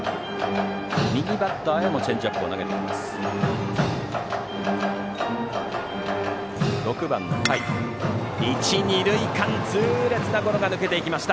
右バッターへもチェンジアップを投げてきます。